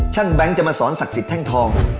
ช่างแบงค์จะมาสอนศักดิ์ศิษย์แท่งทอง